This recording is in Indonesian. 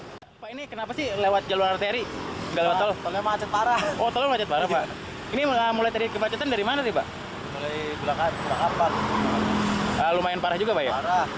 kondisi ini diperparah dengan banyaknya pemudik sepeda motor yang kedua kalinya